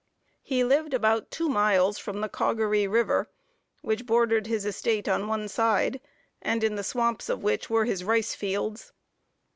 He lived about two miles from Caugaree river, which bordered his estate on one side, and in the swamps of which were his rice fields.